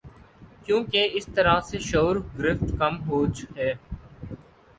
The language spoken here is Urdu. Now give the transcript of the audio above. کیونکہ اس طرح سے شعور گرفت کم ہو ج ہے